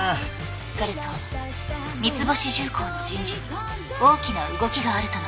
それと三ツ星重工の人事に大きな動きがあるとの情報が。